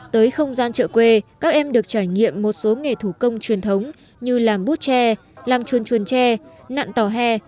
tới không gian chợ quê các em được trải nghiệm một số nghề thủ công truyền thống như làm bút tre làm chuồn chuồn tre nặn tòa hè